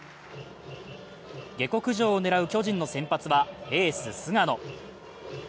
下克上を狙う巨人の先発はエース・菅野。